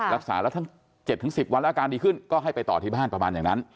รักษาแล้วทั้ง๗๑๐วันแล้วอาการดีขึ้นก็ให้ไปต่อที่บ้านประมาณอย่างนั้น